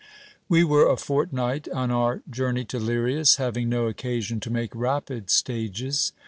We were a fortnight on our journey to Lirias, having no occasion to make rapid stages.